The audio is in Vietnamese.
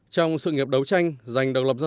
trong sự nghiệp đấu tranh dành độc lập dân dân